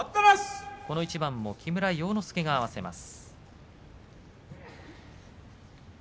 この一番も木村要之助が合わせます。